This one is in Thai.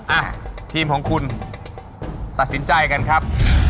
อ่ะทีมของคุณตัดสินใจกันครับ